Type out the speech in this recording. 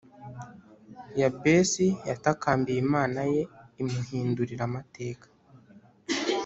yabesi yatakambiye imana ye imuhindurira amateka